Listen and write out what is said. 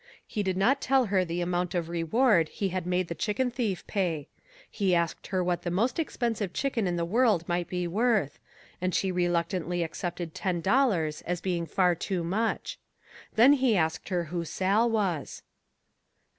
He did not tell her the amount of reward he had made the chicken thief pay. He asked her what the most expensive chicken in the world might be worth, and she reluctantly accepted ten dollars as being far too much. Then he asked her who Sal was.